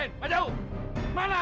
masuk masuk masuk